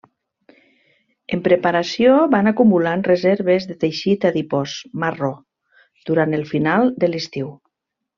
En preparació van acumulant reserves de teixit adipós marró durant el final de l'estiu.